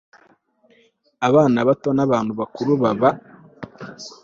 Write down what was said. abana bato n abantu bakuru baba